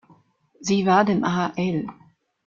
Sie war dem hl.